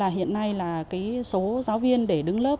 hiện nay số giáo viên để đứng lớp